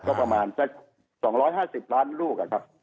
ก็ประมาณสัก๒๕๐ล้านลูก